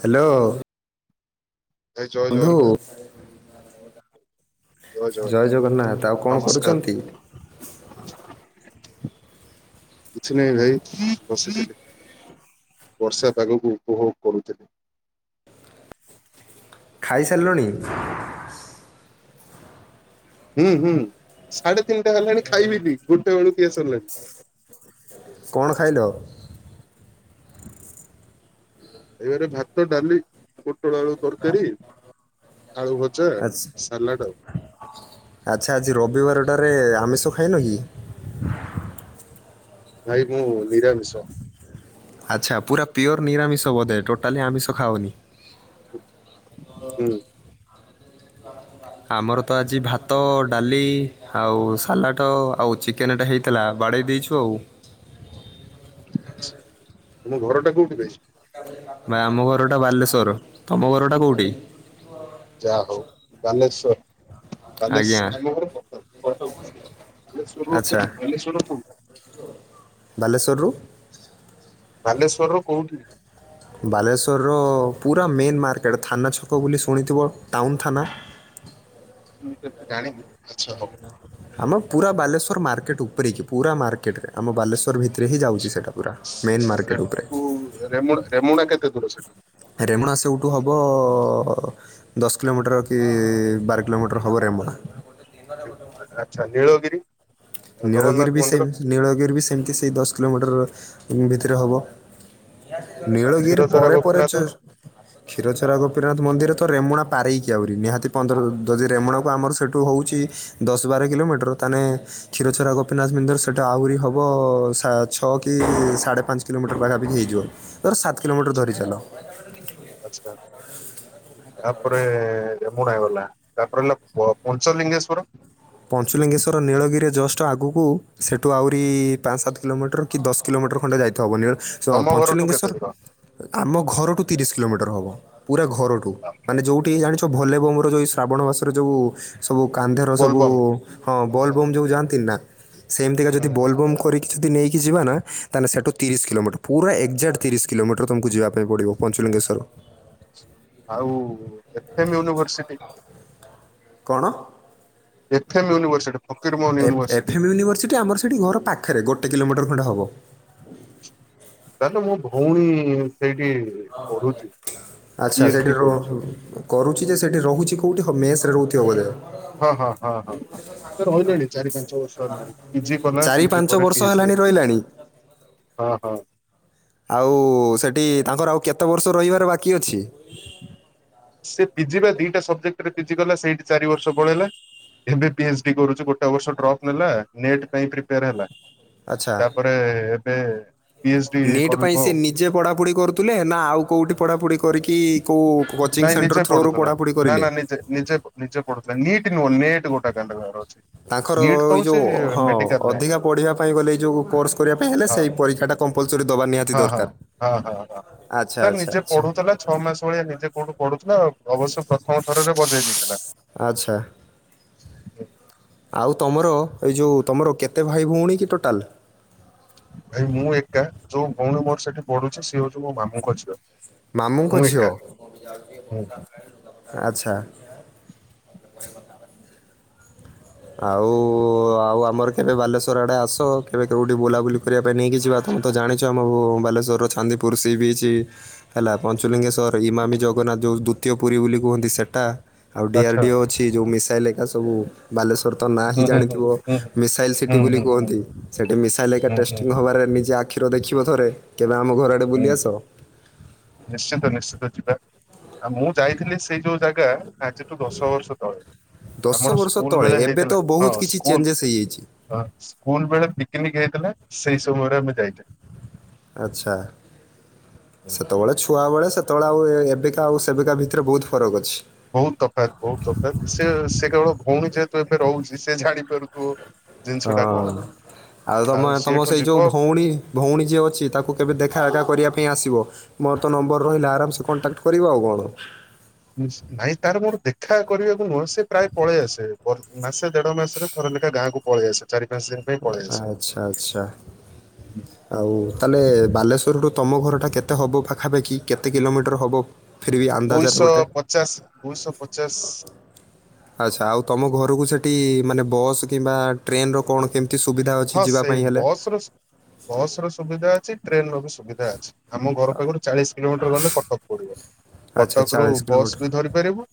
Hello. ଭାଇ ଜୟ ବନ୍ଧୁ ଜଗନ୍ନାଥ। ଜୟ ଜଗନ୍ନାଥ, ଆଉ କଣ କରୁଛନ୍ତି? ନମସ୍କାର। କିଛି ନାହିଁ ଭାଇ ବସିଥିଲି। ବର୍ଷା ପାଗକୁ ଉପଭୋଗ କରୁଥିଲି। ଖାଇସାରିଲଣି? ହୁଁ ହୁଁ ସାଢେ ତିନିଟା ହେଲାଣି ଖାଇବିନି ଗୋଟେ ବେଳୁ ଖିଆ ସରିଲାଣି। କଣ ଖାଇଲ? ଏ ଭାତ, ଡାଲି, ପୋଟଳ ଆଳୁ ତରକାରୀ, ଆଳୁ ଭଜ ଆଛା ଆଛା ଆଜି ରବିବାରଟାରେ ଆମିଷ ଖାଇନ କି? ଭାଇ ମୁଁ ନିରାମିଶ। ଆଚ୍ଛା, ପୁରା ପିଓର ନିରାମିଷ ବଧେ ଟୋଟାଲି ଆମିଷ ଖାଅନି? ହୁଁ। ଆମର ତ ଆଜି ଭାତ, ଡାଲି ଆଉ ସାଲାଡ଼ ଆଉ ଚିକେ କେନେଟେ ହେଇଥିଲା ବାଡେଇ ଦେଇଛୁ ଆଉ। ଆଛା ତମ ଘର ଟା କୋଉଠି ଭାଇ? ଭାଇ ଆମ ଘରଟା ବାଲେଶ୍ଵର। ତମ ଘରଟା କୋଉଠି? ଯାହା ହଉ ବାଲେଶ୍ଵର ବାଲେଶ୍ ଆଜ୍ଞା ଆମ ଘରେ କଟକ କଟକ ଡିଷ୍ଟିକ୍। ବାଲେଶ୍ୱର ଆଚ୍ଛା ବାଲେଶ୍ୱରର କୋଉଠି? ବାଲେଶ୍ୱରରୁ ବାଲେଶ୍ୱରର କୋଉଠି? ବାଲେଶ୍ଵରର ପୁରା ମେନ୍ ମାର୍କେଟ ଥାନା ଛକ ବୋଲି ଶୁଣିଥିବ, ଟାଉନ ଥାନା ମୁ ତ ଏତେ ଜାଣିନି ଆଚ୍ଛା ହଉ। ଆମ ପୁରା ବାଲେଶ୍ୱର ମାର୍କେଟ ଉପରେକି ପୁରା ମାର୍କେଟରେ ଆମ ବାଲେଶ୍ୱର ଭିତରେ ହିଁ ଯାଉଛି ସେଇଟା ପୁରା। ମେନ୍ ମାର୍କେଟ୍ ଉପରେ। ସେଠୁ ରେମୁଣା ରେମୁଣା କେତେ ଦୂର ସେଠୁ? ରେମଣା ସେଉଠୁ ହବ ଅ ଅ ଦଶ କିଲୋମିଟର କି ବାର କିଲୋମିଟର ହେବ ରେମୁଣା। ଆଚ୍ଛା ନୀଳଗିରି। ନୀଳଗିରି ଜଗନ୍ନାଥ ବି ସେ ମନ୍ଦିର ନୀଳଗିରି ବି ସେମିତି ସେଇ ଦଶ କିଲୋମିଟର ଭିତରେ ହେବ। ଆଉ ନୀଳଗିର କ୍ଷୀରଚୋରା ପରେ ପରେ ଗୋପୀନାଥ ଚୋ। କ୍ଷୀରୋଚରା ଗୋପୀନାଥ ମନ୍ଦିର ତ ରେମୁଣା ପାରେଇକି ଆହୁରି ନିହାତି ପନ୍ଦର ଯଦି ଆଚ୍ଛା ରେମଣାକୁ ଆମର ସେଇଠୁ ହେଉଛି ଦଶ ବାର କିଲୋମିଟର ତାହେଲେ। କ୍ଷୀରଚୋରା ଗୋପୀନାଥ ମନ୍ଦିର ସେଟା ଆହୁରି ହେବ ଛଅ କି ସାଢ଼େ ପାଞ୍ଚ କିଲୋମିଟର ପାଖାପାଖି ହେଇଯିବ। ଧର ସାତ କିଲୋମିଟର ଧରି ଚାଲ। ଆଚ୍ଛା। ତାପରେ ରେମୁଣା ଗଲା ତାପରେ ହେଲା ପ ପଞ୍ଚଲିଙ୍ଗେଶ୍ଵର। ପଞ୍ଚୁଲିଙ୍ଗେଶ୍ୱର ନୀଳଗିରି ରେ ଜଷ୍ଟ ଆଗକୁ ସେଠୁ ଆହୁରି ପାଞ୍ଚ ସାତ କିଲୋମିଟର। କି ଦଶ କିଲୋମିଟର ଖଣ୍ଡେ ଯାଇଥବ ହବନି ତମ ଘରଠୁ କେତେ ପଞ୍ଚଲିଙ୍ଗେଶ୍ଵର। ଦୂର? ଆମ ଘରୁଠୁ ତିରିଶ କିଲୋମିର ହବ ପୁରା ଘରୁଠୁ ମାନେ ଯଉ ଜାଣିଛ ଭୋଲେବମ ର ଯୋଉ ଏଇ ଶ୍ରାବଣ ମାସର ଯୋଉ ସବୁ କାନ୍ଧରେ ସବୁ ବୋଲବମ୍ ହଁ ହୁଁ ହୁଁ ବୋଲବମ ହୁଁ ଯଉ ଯାଆନ୍ତି ନା ସେମତିକା ଯଦି ହୁଁ ହୁଁ ବୋଲ ବମ କରି। ଯଦି ନେଇକି ଯିବା ନା ତାହେଲେ ସେଠୁ ତିରିଶ କିଲୋମିଟର ପୁରା ଏକ୍ଜାକ୍ଟ। ତିରିଶ କିଲୋମିଟର ତୁମକୁ ଯିବା ପାଇଁ ପଡ଼ିବ ପଞ୍ଚଲିଙ୍ଗେଶ୍ୱର। ଆଉ ଏଫମ ୟୁନିଭର୍ସିଟି। କଣ? FM university. Fakir Mohan university F M university ଆମର ସେଠି ଘର ପାଖରେ ଗୋଟେ କିଲୋମିଟର ଖଣ୍ଡେ ହବ। ତାହେଲେ ମୋ ଭଉଣୀ ସେଇଠି ପଢୁଛି। ପି ଆଚ୍ଛା ଏଚ ଡି ସେଠି କରୁଛି। ରହୁ କରୁଛି ଯେ ସେଠି ରହୁଛି କୋଉଠି ମେସ ରେ ରହୁଥିବ ବୋଧେ। ହଁ ହଁ ହଁ ହଁ ହଁ। ସ ରହିଲାଣି ଚାରି ପାଞ୍ଚ ବର୍ଷ ହେଲାଣି ପିଜି କଲା ଚାରି ପିଜି ପାଞ୍ଚ ପରେ ବର୍ଷ ପି ଏଚଡି ହେଲାଣି ଯାକ କଲା। ରହିଲାଣି ହଁ ହଁ। ଆଉ ସେଠି ତାଙ୍କର ଆଉ କେତେ ବର୍ଷ ରହିବାର ବାକି ଅଛି? ସେ ପିଜି ବା ଦିଟା ସବଜେକ୍ଟରେ ପିଜି କଲା ସେଇଠି ଚାରି ବର୍ଷ ପଳେଇଲା। ଏବେ ପି ଏଚ ଡି କରୁଛି। ଗୋଟେ ବର୍ଷ ଡ୍ରପ ନେଟ ପାଇଁ ପ୍ରିପେଆର ହେଲା। ଆଚ୍ଛା। ତାପରେ ଏବେ ପିଏଚ ଡି ନେଟ୍ କରିବ ପାଇଁ ସେ ଆଉ ନିଜେ ପଢାପଢି କରୁଥିଲେ ନା ଆଉ କୋଉଠି ପଢାପଢି କରିକି କୋଉ? କୋଚିଂ ନାଇଁ ସେଣ୍ଟର ନିଜେ ଥ୍ରୋରୁ ପଢୁଥିଲା। ପଢ଼ାପଢ଼ି ନା କରିଲେ ନା, ନିଜେ ନିଜେ ନିଜେ ପୁର ଥିଲା ନୀଟ ନୁହେଁ ନେଟ ଗୋଟେ କାଣ୍ଡ ର ଅଛି। ତାଙ୍କର ନିଟ୍ ତ ଏଇ ହଉଛି ଯଉ ହଁ ମେଡିକାଲ ଲାଇନ୍ ଅଧିକା ପଢ଼ିବା ପାଇଁ ଗଲେ ଏଇ ଯୋଉ କୋର୍ସ କରିବା ପାଇଁ ହେଲେ ହଁ ସେଇ ପରୀକ୍ଷାଟା। କମ୍ପଲସରି ଦବାନି ହଁ ହଁ ହଁ ହଁ ହଁ। ସେ ଆଚ୍ଛା ନିଜେ ଆଚ୍ଛା ପଢୁଥିଲା ଛଅ ମାସ ଭଳିଆ ନିଜେ କୋଉଠୁ ପଢୁଥିଲା ଅବଶ୍ୟ ପ୍ରଥମ ଥରରେ ବଜେଇ। ନେଇଥିଲା। ଆଚ୍ଛା। ଆଉ ତମର ଏଇ ଯେଉଁ ତୁମର କେତେ ଭାଇ ଭଉଣୀ କି ଟୋଟାଲ। ଭାଇ ମୁଁ ଏକା ଯୋଉ ଭଉଣୀ ମୋର ସେଠି ପଢୁଛି ସିଏ ହଉଛି ମୋ ମାମୁଙ୍କ ଝିଅ। ମାମୁଁଙ୍କ ମୁଁ ଝିଅ ଏକା। ହୁଁ ହୁଁ ଆଚ୍ଛା। ଆଉ ଆଉ ଆମର କେବେ ବାଲେଶ୍ୱର ଆଡେ ଆସ କେବେ କୋଉଠି ବୁଲାବୁଲି। କରିବା ପାଇଁ ନେଇକି ଯିବା ତମେ ତ ଜାଣିଛ ଆମକୁ ବାଲେଶ୍ୱରର ଚାନ୍ଦିପୁର ସି ବିଛ। ହେଲା ପଞ୍ଚୁଲିଙ୍ଗେଶ୍ୱର, ଇମାମୀ ଜଗନ୍ନାଥ ଯେଉଁ ଦ୍ୱଵିତୀୟ ପୁରୀ ବୋଲି କୁହନ୍ତି ସେଇଟା। ଆଉ ଡିଆର୍ ଆଚ୍ଛା ଡିଓ ଅଛି ଯେଉଁ ମିସାଇଲ୍ ଏକା ସବୁ ବାଲେଶ୍ୱର ତ ନାଁ ହିଁ ହୁଁ ହୁଁ ହୁଁ ଜାଣିଥିବ। ହୁଁ ମିସାଇଲ ସିଟି ହୁଁ ବୋଲି ହୁଁ ହୁଁ କୁହନ୍ତି। ସେଠି ମିସାଇଲ ଏକା ହୁଁ ହୁଁ ଟେଷ୍ଟିଂ ହବାରେ ନିଜେ। ଆଖିରେ ଦେଖିବ ଥରେ। କେବେ ଆମ ଘର ଆଡେ ବୁଲି ହୁଁ। ଆସ? ନିଶ୍ଚିତ ନିଶ୍ଚିତ ଯିବା। ଆଉ ମୁଁ ଯାଇଥିଲି ସେଇ ଯୋଉ। ଜାଗା ଆଜିଠୁ ଦଶ ବର୍ଷ ତଳେ। ଦଶ ଆମର ବର୍ଷ ସ୍କୁଲ୍ ତଳେ ବେଳେ ଏବେ ତ ହେଇଥିଲା ହଁ ବହୁତ କିଛି ସ୍କୁଲ୍ ଚେଞ୍ଜେସ୍ ହେଇଯାଇଛି ହଁ ସ୍କୁଲ୍ ବେଳେ ପିକିନିକି ହେଇଥିଲା ସେଇ ସମୟରେ ଆମେ ଯାଇଥିଲୁ। ଆଛା ସେତବଳେ ଛୁଆ ବେଳେ ସେତବଳେ ଆ ଆଉ ଏବେକା ଆଉ ସେବେକା ଭିତରେ ବହୁତ ଫରକ ଅଛି। ବହୁତ ତଫାତ୍ ବହୁତ ତଫାତ୍ ସେ ସେ କେବଳ ଭଉଣୀ ଯେହେତୁ ଏବେ ରହୁଛି ସେ ଜାଣିପାରୁଥିବ। ଜିନିଷ ହଁ ଟା କଣ ଆଉ ତମ ତମ ସିଏଠୁ ସେଇ ଯିବ ଯୋଉ ଭଉଣୀ ଭଉଣୀ ଯିଏ ଅଛି ତାକୁ କେବେ ଦେଖା ଏଖା କରିବା ପାଇଁ ଆସିବ। ମୋର ତ ନମ୍ବର ରହିଲା ଆରାମସେ କଣ୍ଟାକ୍ଟ୍ କରିବ ଆଉ କଣ। ଇସ୍ ନାଇଁ ତାର ମୋର ଦେଖା କରିବାକୁ ନୁହଁ ସେ ପ୍ରାୟ ପଳେଇ ଆସେ ମାସେ ଦେଢ ମାସରେ ଥରେ ଲେଖା ଗାଁକୁ ପଳେଇଆସେ ଚାରି ପାଞ୍ଚ ଦିନ ଆଛା ଆଛା। ହୁଁ। ଆଉ ତାହେଲେ ବାଲେଶ୍ୱରରୁୁ ତମ ଘରଟା କେତେ ହବ ପାଖାପାଖି କେତେ କିଲୋମିଟର ହବ? ଫିର ବି ଅନ୍ଦାଜରେ ଦୁଇଶହ ଗୋଟେ ପଚାଶ ଦୁଇଶହ ପଚାଶ। ଆଛା ଆଉ ତମ ଘରୁକୁ ସେଠି ମାନେ ବସ୍ କିମ୍ବା ଟ୍ରେନ୍ ର କଣ କେମ ଏତେ ସୁବିଧା ଅଛି ଯିବା ପାଇଁ ହେଲେ ସୋରସ୍ ବସ୍ ର ସୁବିଧା ଅଛି ଟ୍ରେନ୍ ର ବି ସୁବି ଧା ଅଛି ଆମ ଘର ପାଖରୁ ଚାଳିଶ କିଲୋମିଟର ଗଲେ କଟକ ପଡିବ। ଆଚ୍ଛା କଟକରୁ ଚାଳିଶ ବସ୍ କିଲୋମିଟର ବି ଧରି ପାରିବୁ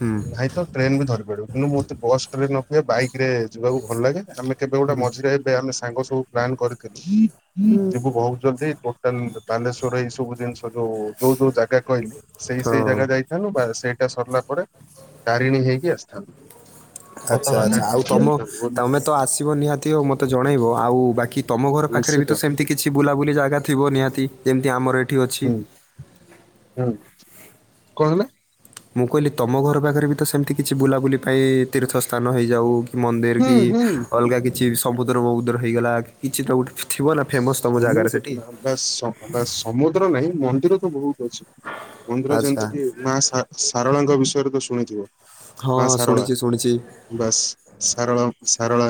ହୁଁ ନାଇଁ ତ ଟ୍ରେନ୍ ବି ଧରି ପାରିବୁ କିନ୍ତୁ ମୋତେ ବସ୍ ଟ୍ରେନ୍ ଅପେକ୍ଷା ବାଇକ୍ ରେ ଯିବାକୁ ଭଲ ଲାଗେ ଆମେ କେବେ ଗୋଟେ ମ ସେଇଥିପାଇଁ ଆମେ ସାଙ୍ଗ ସବୁ ପ୍ଲାନ୍ କରିଥିଲୁ ଯିବୁ ବହୁତ ଜଲଦି ଟୋ ତାହେଲେ ବାଲେଶ୍ଵର ଏଇ ସବୁ ଜିନିଷ ଯୋଉ ଯୋଉ ଯୋଉ ଜାଗା କହିଲି ସେଇ ସେଇ ହଁ ଜାଗା ଯାଇ ଖାଲି ବାସ୍ ସେଇଟା ସରିଲା ପରେ ତାରିଣୀ ହେଇକି ଆସିଥାନ୍ତୁ। ଆଛା ଘଟଗାଁ ଆଛା ଆଉ ତାରିଣୀ ତମ ଆସିଥାନ୍ତୁ ବୋଲି ତମେ ତ ଆସିବ ନିହା ତି ଆଉ ମତେ ଜଣାଇବ ଆଉ ବାକି ତମ ଘର ପାଖେରେ ବି ନିଶ୍ଚିତ ତ ସେମିତି କିଛି ବୁଲାବୁଲି ଜାଗା ଥିବ ନିହାତି? ଯେମିତି ଆମର ଏଠି ଅଛି। ହୁଁ ହୁଁ କଣ ହେଲା? ମୁଁ କହିଲି ତମ ଘର ପାଖରେ ବି ତ ସେମିତି କିଛି ବୁଲାବୁଲି ପାଇଁ ତୀର୍ଥ ସ୍ଥାନ ହେଇଯାଉ କି ମନ୍ଦିର ହେଲା କି ହୁଁ ହୁଁ। ଅଲଗା କିଛି ବି ସମୁଦ୍ର ଫମୁଦ୍ର ହେଇଗଲା କି କିଛିଟା ଗୋ ଥିବ ନାଁ ଫେମସ୍ ତମ ଜାଗାରେ ସେଠି? ବାସ୍ ହଁ ବାସ୍ ସମୁଦ୍ର ନାହିଁ ମନ୍ଦିର ତ ବହୁତ ଅଛି ମନ୍ଦିର ଆଚ୍ଛା ଯେମିତି କି ମା ସା ସାରଳାଙ୍କ ବିଷୟରେ ତ ଶୁଣିଥିବ ହଁ ମା ହଁ ସାରଳା ଶୁଣିଛି ଶୁଣିଛି ବାସ୍। ସାରଳା ମ ସାରଳା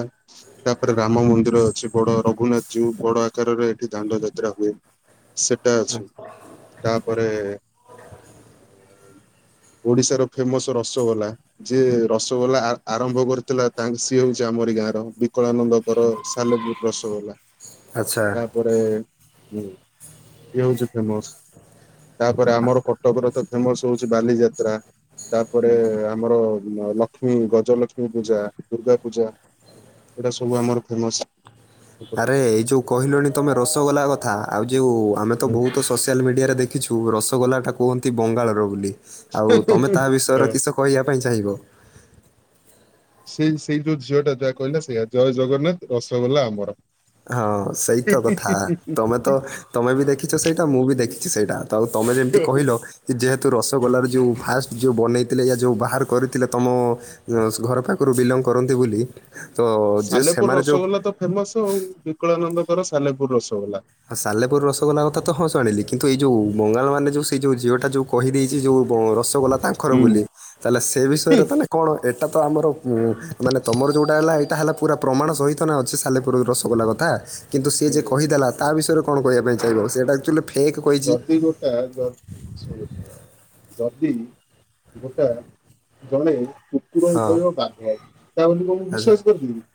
ତାପରେ ରାମ ମନ୍ଦିର ଅଛି ବଡ ରଘୁନା ଯୋଉ ବଡ ଆକାରରେ ଏଠି ଦାଣ୍ଡ ଯାତ୍ରା ହୁଏ ସେଟା ଅଛି। ତାପରେ ଉଁ ଓଡିଶାର ଫେମସ୍ ରସଗୋଲା ଯିଏ ରସଗୋଲା ଆ ଆରମ୍ଭ କରିଥିଲା ତା ସିଏ ହଉଛି ଆମରି ଗାଁ ର ବିକଳାନନ୍ଦଙ୍କର ସାନ ପୁ ରସଗୋଲା। ଆଛା। ପରେ ଇଏ ଇଏ ହଉଛି ଫେମସ୍। ତାପରେ ଆମର କଟକରେ ତ ଫେମସ୍ ହଉଛି ବାଲିଯାତ୍ରା ତାପରେ ଆମର ଲକ୍ଷ୍ମୀ ଗଜଲକ୍ଷ୍ମୀ ପୂଜା ଦୁର୍ଗା ପୂଜା ଏଇଟା ସବୁ ଆମର ଫେମସ୍। ଆରେ ଏଇ ଯୋଉ କହିଲନି ତମେ ରସଗୋଲା କଥା ଆଉ ଯୋଉ ଆମେ ତ ହୁଁ। ବହୁତ ସୋସିଆଲ୍ ମିଡିଆରେ ଦେ ଖିଛୁ ରସଗୋଲାଟା କୁହନ୍ତି ବଙ୍ଗାଳର ବୋଲି ଆଉ ତମେ ତାହା ହଁ। ବିଷୟରେ କିଛି ତ କହିବା ପାଇଁ ଚାହିଁବ? ସେଇ ସେଇ ଯୋଉ ଝିଅଟା ଯାହା କହିଲା ସେଇଆ ଜୟ ଜଗନ୍ନାଥ ରସଗୋଲା ଆମର। ହଁ ସେଇତ କଥା ତମେ ତ ତମେ ବି ଦେଖିଛ ସେଇଟା ମୁଁ ବି ଦେଖିଛି ସେଇଟା। ଆଉ ତମେ ଯେମିତି କହିଲ ଯେହେତୁ ରସଗୋଲାର ଯେଉ ଫାଷ୍ଟ ଯୋଉ ବନେଇଥିଲେ ଏୟା ଯୋଉ ବାହାର କରିଥିଲେ ତମ। ୟୋସ ଘର ପାଖରୁ ବିଲଙ୍ଗ କରନ୍ତି ବୋଲି ତ ଯେ ସାଲେପୁର ସେମାନେ ଯେଉ। ରସଗୋଲା ତ ଫେମସ ଆଉ ବିକଳାନନ୍ଦଙ୍କର ସାଲେପୁର ରସଗୋଲା। ହଁ ସାଲେପୁର ରସଗୋଲା କଥା ତ ହଁ ଜାଣିଲି କିନ୍ତୁ ଏଇ ଯୋଉ ବଙ୍ଗାଳମାନେ ଯୋଉ ସେ ଯୋଉ ଝିଅଟା ଯୋଉ। କହିଦେଇଛି ଯୋଉ ବ ରସଗୋଲା ତାଙ୍କର ହୁଁ। ବୋଲି। ତାହେଲେ ସେ ବିଷୟରେ ତାଲେ କଣ ଏଇଟା ତ ଆମର ଉଁ ମାନେ ତମର ଯୋଉଟା ହେଲା ଏଇଟା ହେଲା। ପୁରା ପ୍ରମାଣ ସହିତ ନା ଅଛି ସାଲେପୁର ରସଗୋଲା କଥା। କିନ୍ତୁ ସିଏ ଯେ ହୁଁ କହିଦେଲା ତା ବିଷୟରେ କଣ କହିବା ପାଇଁ ଚାହିଁବ ସେଇଟା ଆକ୍ଚୁଲି‌। ଯଦି ଗୋଟା ଯ ଶୁଣ ଶୁଣ ଯଦି ଗୋଟା ଜଣେ କୁକୁର ହଁ କହିବ ବାଘ ତା ବୋଲି କଁ ମୁଁ ଆଚ୍ଛା ବିଶ୍ୱାସ କରିଜିବି କି।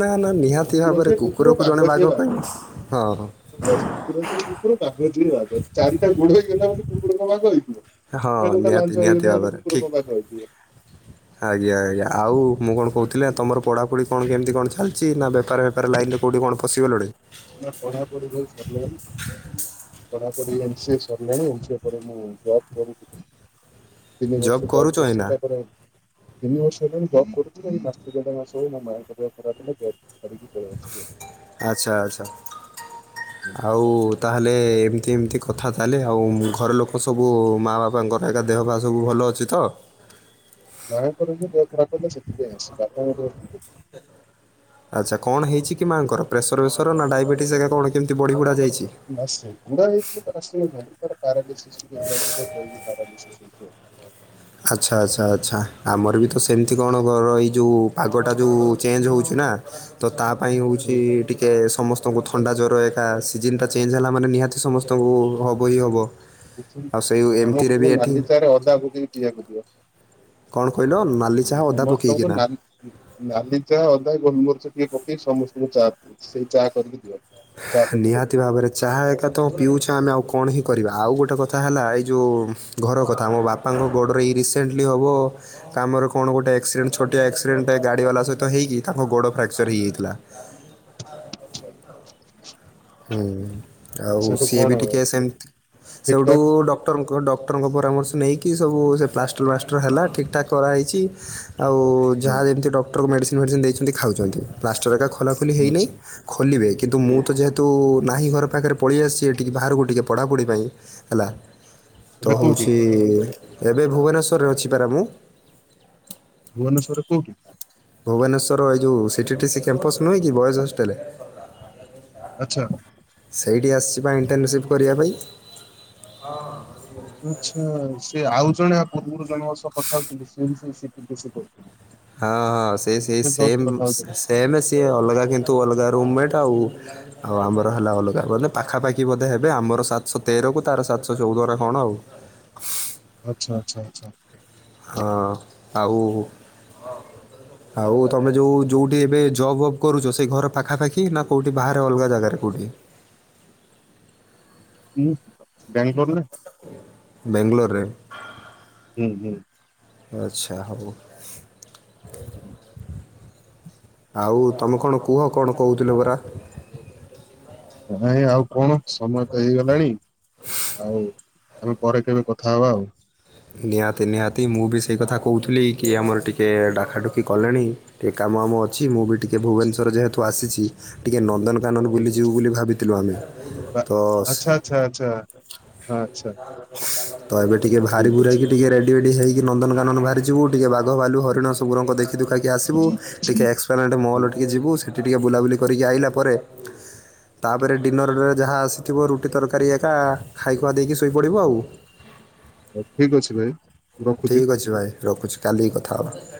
ନା ନା ନିହାତି ଭାବରେ କୁକୁରକୁ ଜଣେ ବାଘ କହିବ ହଁ। ବାସ କୁକୁର ଯିଏ କୁକୁର ବାଘ ଯିଏ ବାଘ ଚାରିଟା ଗୋଡ ହେଇଗଲା ବୋଲି କୁକୁର କଣ ବାଘ ହେଇଥିବ। ହଁ ନା ଜୋଉଟା ନିହାତି ଲାଞ୍ଚ ହେଇ ନିହାତି ଗଲା ବୋଲି ଭାବରେ କୁକୁର ଠିକ୍ କଣ ବାଘ ହେଇଯିବ। ଆଜ୍ଞା ଆଜ୍ଞା ଆଉ ମୁଁ କଣ କହୁଥିଲି ଆଁ ତମର ପଢାପଢି କଣ କେମିତି କଣ ଚାଲିଛି ନା ବେପାର ଫେ ଫାର ଲାଇନ୍ ରେ କୋଉଠି କଣ ପଶିଗଲାଣି। ନା ପଢ଼ାପଢି ଭାଇ ସରିଗଲାଣି। ପଢାପଢି ଏମ ସି ଏ ସରିଲାଣି ଏମ ସି ଏ ପରେ ମୁଁ ଜବ୍ କରୁଥିଲି। ତିନି ବର୍ଷ ଜବ୍ କରୁଛ କରିଛ ଏଇନା ତାପରେ ତିନି ବର୍ଷ ହେଲାଣି ଜବ କରୁଥିଲି ଏଇ ମାସେ ଦେଢ ମାସେ ହବ ମୋ ମା ଙ୍କ ଦେହ ଖରାପ ହେଲା ଜବ ଛାଡିକି ପଳେଇ ଆସିଲି ଆଉ। ଆଚ୍ଛା ଆଚ୍ଛା ଆଉ ତାହେଲେ ଏମିତି ଏମିତି କ କଥା ତାହେଲେ ଆଉ ଘର ଲୋକ ସବୁ ମାଆ ବାପାଙ୍କର ଏକା ଦେହ ପାହା ସବୁ ଭଲ ଅଛି ତ? ମାଆଙ୍କର ଯୋଉ ଦେହ ଖରାପ ହେଲା ସେଥିପାଇଁ ଆସିଛି ବାପାଙ୍କ ଦେହ ଠିକ୍ ଅଛି। ଆଚ୍ଛା କଣ ହେଇଛି କି ମାଆଙ୍କର ପ୍ରେସର ବେସର ନା ଡାଇବେଟିସ ସ ଏକା କଣ କେମିତି ବଢ଼ି ବୁଢା ଯାଇଛି। ନା ସେଗୁଡା ହେଇଥିଲେ ତ ଆସି ନଥାନ୍ତି ତା ର ପାରାଲିସିସ୍ ରୁ ଟିକେ ବ୍ରେନ ଷ୍ଟ୍ରୋକ ହେଇକି ପାରାଲିସିସ୍ ହେଇଛି‌ ଆଉ। ଆଚ୍ଛା, ଆଚ୍ଛା, ଆଚ୍ଛା ଆମର ବି ତ ସେମିତି କଣ ଗ ଏଇ ଯୋଉ ପାଗଟା ଯୋଉ ଚେଞ୍ଜ ହେଉଛି ନା। ତ ତା ପାଇଁ ହଉଛି। ଆଉ। ଟିକେ ସମସ୍ତଙ୍କୁ ଥଣ୍ଡା, ଜ୍ୱର, ଏକା ସିଜନଟା ଚେଞ୍ଜ ହେଲା ମାନେ ନିହାତି ସମସ୍ତଙ୍କୁ ହବ ହିଁ ହବ। କିଛି ସମସ୍ତଙ୍କୁ ନାଲିଚାରେ ଅଦା ପକେଇି ପିଇଆକୁ ଦିଅ। କଣ କହିଲ ନାଲି ଚାହା ଅଦା ସମସ୍ତଙ୍କୁ ପକେଇକିନା। ନାଲି ନାଲି ଚା ଅଦା, ଗୋଲମରିଚ ଟିକେ ପକେଇ ସମସ୍ତଙ୍କୁ ଚା ସେଇ ଚା କରିକି ଦିଅ। ଚା ପତି ନିହାତି ପକେଇକି ଭାବରେ। ଚାହା ଏକା ତ ପିଉଛୁ ଆମେ ଆଉ କଣ ହିଁ କରିବା ଆଉ ଗୋଟେ କଥା ହେଲା ଏଇ ଯୋଉ। ଘର କଥା ମୋ ବାପାଙ୍କ ଗୋଡ଼ରେ ଏଇ ରିସେଣ୍ଟଲି ହବ। କାମରେ କଣ ଗୋଟେ ଆକ୍ସିଡେଣ୍ଟ ଛୋଟିଆ ଆକ୍ସିଡେଣ୍ଟ ଟା ଗାଡ଼ି ବାଲା ସହିତ ହେଇିକି ତାଙ୍କ ଗୋଡ଼ ଫ୍ରାକ୍ଚର ହେଇଯାଇଥିଲା। ଆ [inaudible] ହୁଁ ଆଉ ସିଏ ବି ଟିକେ ସେମତି ଠିକ୍ ସେଇଠୁ ଡ ଠାକ୍ ଡକ୍ଟରଙ୍କ ଡକ୍ଟରଙ୍କ ପରାମର୍ଶ ନେଇକି ସବୁ ସେ ପ୍ଲାଷ୍ଟର ଫ୍ଲାଷ୍ଟର ହେଲା ଠିକ୍ ଠାକ୍ କରାହେଇଛି। ଆଉ। ହୁଁ ଯାହା ଯେମିତି ଡକ୍ଟର ମେଡ଼ିସିନ ଫେଡ଼ିସିନ୍ ଦେଇଛନ୍ତି ଖାଉଛନ୍ତି ପ୍ଲାଷ୍ଟର ଏକା ଖୋଲାଖୋଲି ହୋଇନାହିଁ। ଆଚ୍ଛା। ଖୋଲିବେ କିନ୍ତୁ ମୁଁ ତ ଯେହେତୁ ତୁ ନାହିଁ ଘର ପାଖରେ ପଳେଇ ଆସିଛି ଏଠିକି ବାହାରକୁ ଟିକେ ପଢ଼ାପଢ଼ି ପାଇଁ ହେଲା‌। ତ ଏବେ କୋଉଠି ହଉଛି ଏବେ ଭୁବନେଶ୍ଵରରେ ଅଛି ପାରା ମୁଁ। ଭୁବନେଶ୍ୱର କୋଉଠି? ଭୁବନେଶ୍ୱର ଏଇ ଯୋଉ ସି ଟି ଟିସିି କ୍ୟାମ୍ପସ୍ ନୁହେଁ କି ବଏଜ୍ ହଷ୍ଟେଲ। ଆଚ୍ଛା। ସେଇଠି ଆସିିଛି ପା ଇଣ୍ଟେର୍ନସିପ୍ କରିବା ପାଇଁ। ହଁ ହଁ ଆଛା ସେ ଆଉ ଜଣେ ଯା ପୂର୍ବରୁ ଜଣଙ୍କ ସହ କଥା ହଉଥିଲି ସିଏ ବି ସେଇ ସି ଟି ଟି ସି କରୁଥିଲେ। ହଁ ହଁ ସେ ସେହି ଜଷ୍ଟ ସେମ୍ କଥା ହଉଥିଲି ସି ସି ଏଇ ନା ସିଏ ଅଲଗା କିନ୍ତୁ ଅଲଗା ରୁମମେଟ୍ ଆଉ ଆଉ ଆମର ହେଲା ଅଲଗା ବଲେ ପାଖାପାଖି ବୋଧେ ହେବେ ଆମର ସାତଶହତେର କୁ ତାର ସାତଶହ ଚଉଦ ନାଁ କ'ଣ ଆଉ। ଆଚ୍ଛା ଆଚ୍ଛା ଆଚ୍ଛା। ହଁ, ଆଉ [inaudible] ଆଉ ତମେ ଯୋଉ ଯୋଉଠି ଏବେ ଜବ୍ ବବ୍ କରୁଛ ସେଇ ଘର ପାଖାପାଖି ନା କଉଠି ବାହାରେ ଅଲଗା ଜାଗାରେ କଉଠି? ହୁଁ, ବେଙ୍ଗଲୋର ନା। ବେଙ୍ଗଲୋର ରେ? ହୁଁ ହୁଁ। ଆଚ୍ଛା ହଉ। ଉଁ ହୁଁ। ଆଉ ତମେ କ'ଣ କୁହ କ'ଣ କହୁଥିଲ ପରା? ନାହିଁ ଆଉ କ'ଣ ସମୟ ତ ହେଇଗଲାଣି। ଆଉ ଆମେ ପରେ କେବେ କଥା ହବା ଆଉ। ନିହାତି ନିହାତି ମୁଁ ବି ସେଇ କଥା କହୁଥିଲି କି ଆମର ଟିକିଏ ଡାକା ଡୁକି କଲେଣି। ଟିକେ କାମ ଆମ ଅଛି ମୁଁ ବି ଟିକେ ଭୁବନେଶ୍ୱର ଯେହେତୁ ଆସିଛି ଟିକେ ନନ୍ଦନକାନନ ଠିକ ବୁଲିଯିବୁ ଅଛି ବୋଲି ଭାବିଥିଲୁ ଆମେ ବା ତ ଆଚ୍ଛା ସ- ଆଚ୍ଛା ଆଚ୍ଛା। ଆଚ୍ଛା ତ ଏବେ ଟିକେ ଭା ଆରେ ଠିକ ଅଛି। ଭୂରାଇକି ଟିକେ ରେଡି ଫେଡ଼ି ହେଇକି ନନ୍ଦନକାନନ ବାହାରିଛୁ ଟିକେ ବାଘ, ଭାଲୁ, ହରିଣ ସ ସବୁରଙ୍କ ଦେଖିଦୁଖାକି ଆସିବୁ ଠିକ ଟିକେ ଏସ୍ପ୍ଲାନାଡେ ମଲ ଟିକିଏ ଅଛି ଯିବୁ ସେଠ୍ ଠି ଟିକିଏ ବୁଲାବୁଲି କରିକି ଆଇଲା ପରେ ତାପରେ ଡିନରରେ ଯାହା ଆସିଥିବ ରୁଟି ତରକାରୀ ଏକା ଖାଇଖୁଆ ଦେଇକି ଶୋଇପଡ଼ିବ ହଉ ଆଉ। ହଉ ଠିକ୍ ଅଛି ଭାଇ। ମୁଁ ରଖୁଛି। ଠିକ୍ ଅଛି ଭାଇ ରଖୁଛି କାଲିକି କଥା ହେବା।